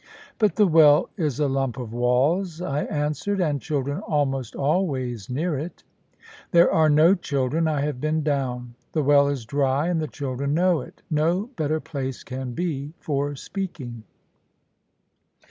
"But the well is a lump of walls," I answered, "and children almost always near it." "There are no children. I have been down. The well is dry, and the children know it. No better place can be for speaking."